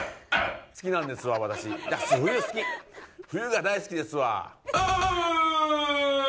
冬が大好きですわ。